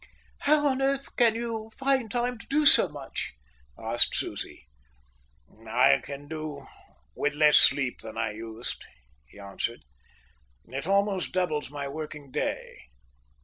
"How on earth can you find time to do so much?" asked Susie. "I can do with less sleep than I used," he answered. "It almost doubles my working day."